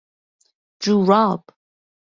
جوراب